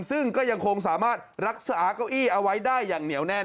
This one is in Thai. ซึ่งก็ยังคงสามารถรักษาเก้าอี้เอาไว้ได้อย่างเหนียวแน่น